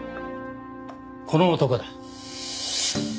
この男だ。